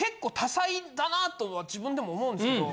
だなあとは自分でも思うんですけど。